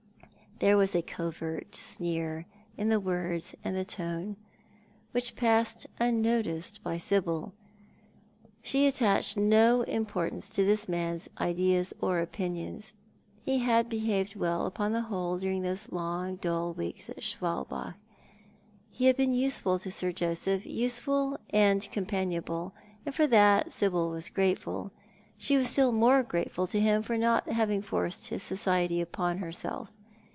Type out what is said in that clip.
There was a covert sneer in the words and the tone, which passed unnoticed by Sibyl. She attached no importance to this man's ideas or opinions. He had behaved well upon the whole during those long dull weeks at Schwalbach. He had been useful to Sir Josepli, useful and companionable, and for that Sibyl was grateful. She was still more grateful to him for not having forced his society upon herself.